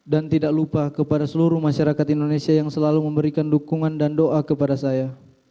dan tidak lupa kepada seluruh masyarakat indonesia yang selalu memberikan dukungan dan doa kepada saya